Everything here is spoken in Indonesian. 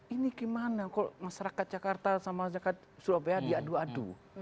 ini gimana kok masyarakat jakarta sama masyarakat surabaya diadu adu